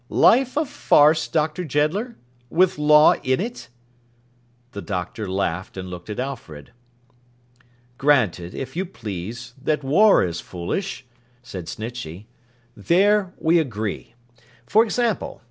Life a farce, Dr. Jeddler? With law in it?' The Doctor laughed, and looked at Alfred. 'Granted, if you please, that war is foolish,' said Snitchey. 'There we agree. For example.